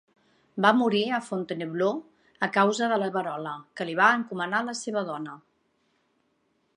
Va morir a Fontainebleau a causa de la verola, que li va encomanar la seva dona.